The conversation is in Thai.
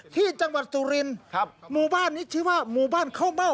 ที่จังหวัดสุรินครับหมู่บ้านนี้ชื่อว่าหมู่บ้านข้าวเม่า